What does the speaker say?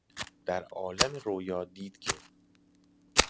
در عالم روُیا دید که...